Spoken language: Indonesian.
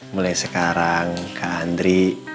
mulai sekarang kak andri